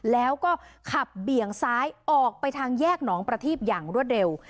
แล้วก็ขับเบี่ยงซ้ายออกไปทางแยกหนองประทีบอย่างรวดเร็ว